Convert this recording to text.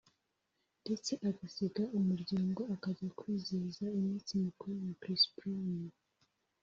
ndetse agasiga umuryango akajya kwizihiza iminsi mikuru na Chris Brown